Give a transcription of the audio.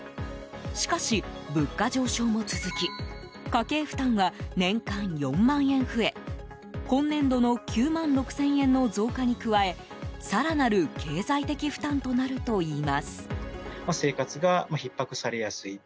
しかし、物価上昇も続き家計負担は年間４万円増え今年度の９万６０００円の増加に加え更なる経済的負担となるといいます。